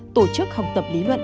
tổ chức học tập lý luận